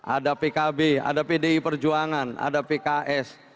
ada pkb ada pdi perjuangan ada pks